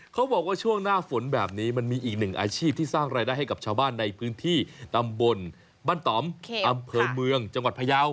เขาบอกว่าช่วงหน้าฝนแบบนี้มันมีอีกหนึ่งอาชีพที่สร้างรายได้ให้กับชาวบ้านในพื้นที่ตำบลบ้านต่อมอำเภอเมืองจังหวัดพยาว